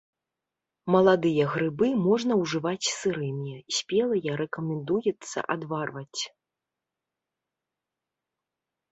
Маладыя грыбы можна ўжываць сырымі, спелыя рэкамендуецца адварваць.